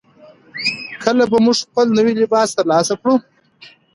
کله به موږ خپل نوی لباس ترلاسه کړو؟